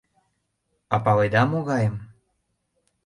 — А паледа, могайым?